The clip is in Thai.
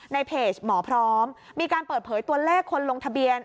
ในเพจหมอพร้อมมีการเปิดเผยตัวเลขคนลงทะเบียน